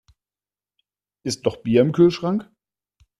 Ist noch Bier im Kühlschrank?